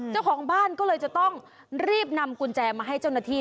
เจ้าของบ้านก็เลยจะต้องรีบนำกุญแจมาให้เจ้าหน้าที่